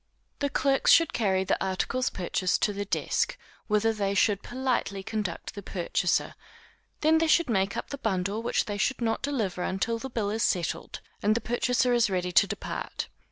The clerks should carry the articles purchased to the desk, whither they should politely conduct the purchaser; they then should make up the bundle which they should not deliver until the bill is settled, and the purchaser is ready to depart.